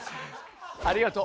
ありがと。